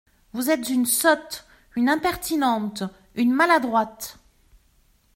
Vous êtes une sotte ! une impertinente ! une maladroite !